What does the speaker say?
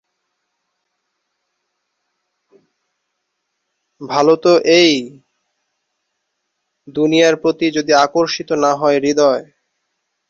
গীত রচনা করেছেন গাজী মাজহারুল আনোয়ার ও মনিরুজ্জামান মনির।